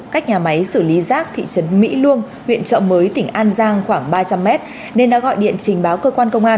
cách nhà máy xử lý rác thị trấn mỹ luông huyện trợ mới tỉnh an giang khoảng ba trăm linh mét nên đã gọi điện trình báo cơ quan công an